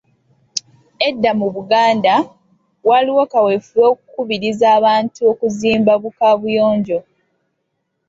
Edda mu Buganda, waaliwo kaweefube w‘okukubiriza abantu okuzimba bu Kabuyonjo.